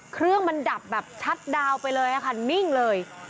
เครื่องมันดับแบบชัดดาวน์ไปเลยค่ะนิ่งเลย